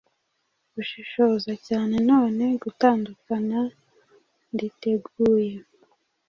ushishoza cyanenone gutandukana nditeguye